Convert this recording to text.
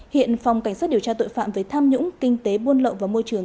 hiện phòng cảnh sát điều tra tội phạm về tham nhũng kinh tế buôn lậu và môi trường